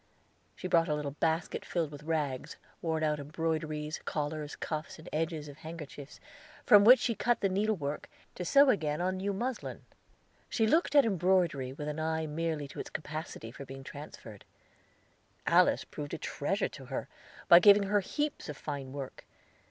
She brought a little basket filled with rags, worn out embroideries, collars, cuffs, and edges of handkerchiefs, from which she cut the needle work, to sew again on new muslin. She looked at embroidery with an eye merely to its capacity for being transferred. Alice proved a treasure to her, by giving her heaps of fine work.